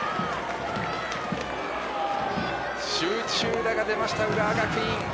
集中打が出ました浦和学院！